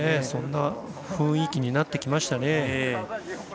そんな雰囲気になってきました。